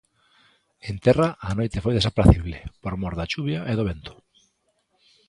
En terra, a noite foi desapracible por mor da chuvia e do vento.